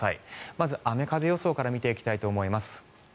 まず、雨風予想から見ていきたいと思います。